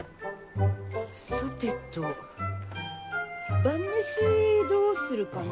さてと晩飯どうするかね？